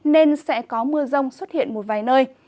nên sẽ có mưa rông xuất hiện một vài nơi